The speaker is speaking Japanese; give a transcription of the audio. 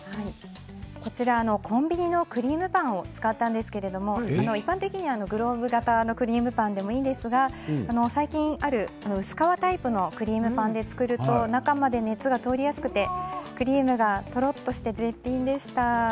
コンビニのクリームパンを使ったんですがグローブ型のクリームパンでもいいんですが薄皮のクリームパンで作ってみると中まで熱が通りやすくクリームがとろっとして絶品でした。